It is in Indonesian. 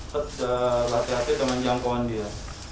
tetap hati hati dengan jangkauan dia